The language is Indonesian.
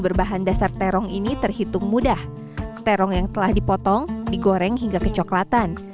berbahan dasar terong ini terhitung mudah terong yang telah dipotong digoreng hingga kecoklatan